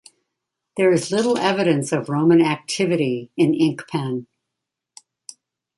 There is little evidence of Roman activity in Inkpen.